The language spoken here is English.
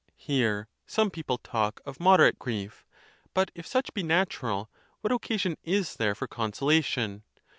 Here some people talk of moderate grief; but if such be natural, what occasion is there for consolation